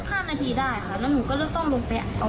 แล้วหนูก็รุ่นไปเอามาจอดที่ใหม่